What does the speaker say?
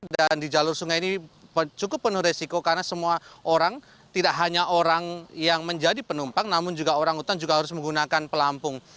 dan di jalur sungai ini cukup penuh resiko karena semua orang tidak hanya orang yang menjadi penumpang namun juga orang utan juga harus menggunakan pelampung